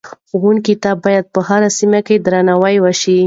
ښوونکو ته باید په هره سیمه کې درناوی وشي.